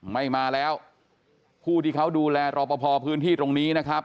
ไม่มาแล้วผู้ที่เขาดูแลรอปภพื้นที่ตรงนี้นะครับ